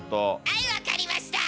はい分かりました！